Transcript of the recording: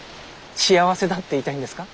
幸せだって言いたいんですか？